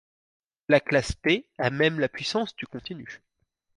La classe T a même la puissance du continu.